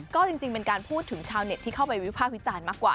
ก็จริงเป็นการพูดถึงชาวเน็ตที่เข้าไปวิภาควิจารณ์มากกว่า